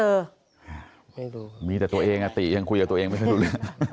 ไม่รู้มีแต่ตัวเองอะตียังคุยกับตัวเองไม่ได้รู้ละ